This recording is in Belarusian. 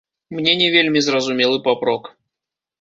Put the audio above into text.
Мне не вельмі зразумелы папрок.